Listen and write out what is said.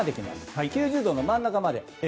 ９０度の真ん中まで。